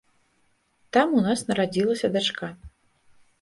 Там у нас нарадзілася дачка.